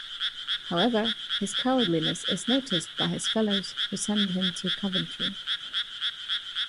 However, his cowardliness is noticed by his fellows, who send him to Coventry.